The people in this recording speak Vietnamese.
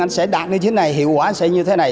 anh sẽ đạt như thế này hiệu quả sẽ như thế này